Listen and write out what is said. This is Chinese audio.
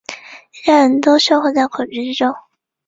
一家人都生活在恐惧之中